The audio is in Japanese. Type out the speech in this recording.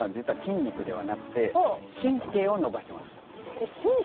えっ神経？